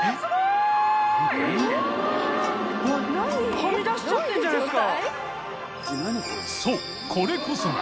はみ出しちゃってるじゃないですか！